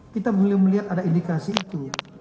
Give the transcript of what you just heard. kita belum melihat ada indikasi itu